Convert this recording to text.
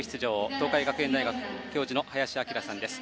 東海学園大学教授の林享さんです。